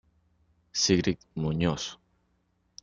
Sigrid Muñoz